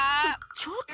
ちょっと。